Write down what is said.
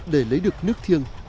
để lấy được nước thiêng